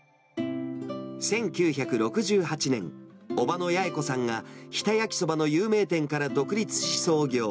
１９６８年、伯母のヤエ子さんが日田やきそばの有名店から独立し、創業。